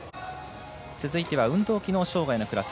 続いては運動機能障がいのクラス。